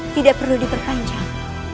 tidak perlu diperpanjang